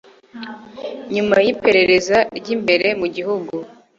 Nyuma yiperereza ryimbere mu gihugu